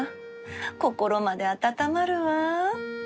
心まで温まるわ